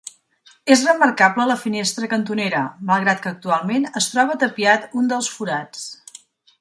És remarcable la finestra cantonera, malgrat que actualment es troba tapiat un dels forats.